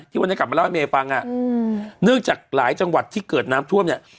วันนี้กลับมาเล่าให้เมย์ฟังอ่ะอืมเนื่องจากหลายจังหวัดที่เกิดน้ำท่วมเนี่ย